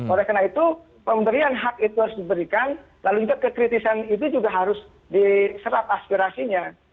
oleh karena itu pemberian hak itu harus diberikan lalu juga kekritisan itu juga harus diserap aspirasinya